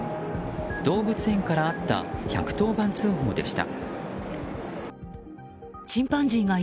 動物園からあった１１０番通報でした。